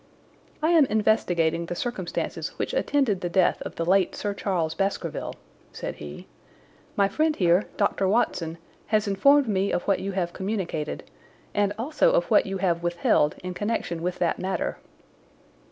"I am investigating the circumstances which attended the death of the late Sir Charles Baskerville," said he. "My friend here, Dr. Watson, has informed me of what you have communicated, and also of what you have withheld in connection with that matter."